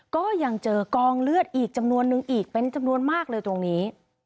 ก็ยังเจอกองเลือดอีกจำนวนนึงอีกเป็นจำนวนมากเลยตรงนี้